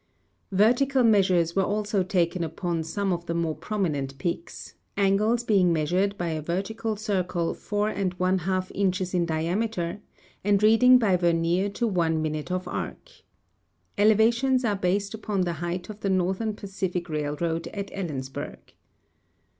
Vertical measures Averc also taken upon some of the more prominent peaks, angles being measured by a vertical circle four and one half inches in diameter and reading by ver nier to one minute of arc. EleAUitions are based upon the height of the Northern Pacific railroad at Ellensburg.